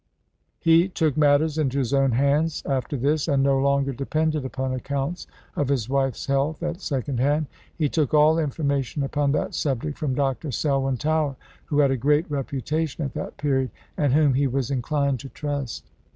He took matters into his own hands after this, and no longer depended upon accounts of his wife's health at second hand. He took all information upon that subject from Dr. Selwyn Tower, who had a great reputation at that period, and whom he was inclined to trust.